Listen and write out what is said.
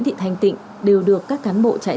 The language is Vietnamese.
đứng theo ngày tìm ngừa của khu vực làng trại